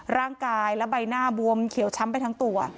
ร่างกายและใบหน้าบวมเขียวช้ำไปทั้งตัว